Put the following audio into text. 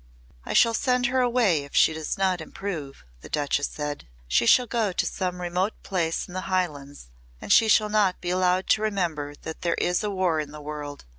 "I shall send her away if she does not improve," the Duchess said. "She shall go to some remote place in the Highlands and she shall not be allowed to remember that there is a war in the world.